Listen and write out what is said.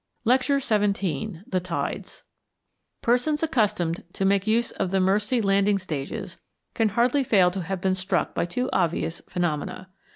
LECTURE XVII THE TIDES Persons accustomed to make use of the Mersey landing stages can hardly fail to have been struck with two obvious phenomena.